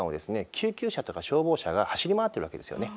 救急車とか消防車が走り回ってるわけですよね。